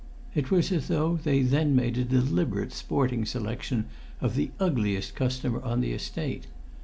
It was as though they then made a deliberate sporting selection of the ugliest customer on the Estate.